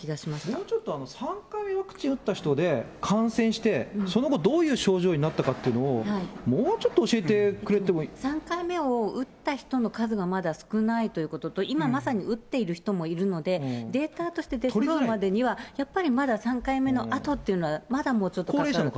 もうちょっと、３回ワクチンを打った人で、感染して、その後、どういう症状になったかっていうのを、もうちょっと教えてくれて３回目を打った人の数がまだ少ないということと、今まさに打っている人もいるので、データとして出そろうまでには、やっぱりまだ３回目のあとっていうのは、まだもうちょっとかかる。